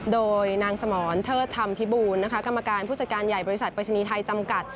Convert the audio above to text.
โดยนางสมรเทิดธรรมพิบูลนะคะกรรมการผู้จัดการใหญ่บริษัทปริศนีย์ไทยจำกัด